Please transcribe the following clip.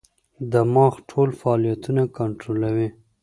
دماغ ټول فعالیتونه کنټرولوي.